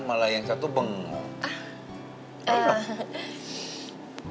malah yang satu bengong